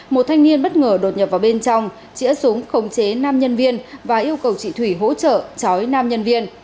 một thanh niên bất ngờ đột nhập vào bên trong chĩa súng khống chế nam nhân viên và yêu cầu chị thủy hỗ trợ chói nam nhân viên